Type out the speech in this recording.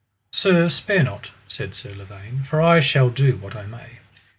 Sir, spare not, said Sir Lavaine, for I shall do what I may.